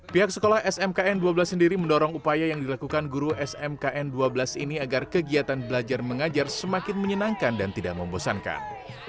pihak sekolah smkn dua belas sendiri mendorong upaya yang dilakukan guru smkn dua belas ini agar kegiatan belajar mengajar semakin menyenangkan dan tidak membosankan